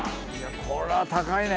これは高いね